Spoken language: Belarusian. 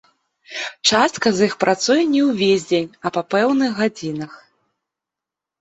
Частка з іх працуе не ўвесь дзень, а па пэўных гадзінах.